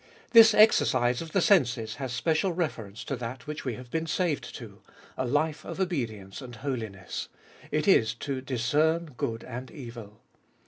This exercise of the senses has special reference to that which we have been saved to — a life of obedience and holiness ; it is to discern good and evil.